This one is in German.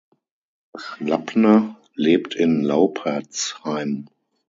Schlappner lebt in Laupertsheim.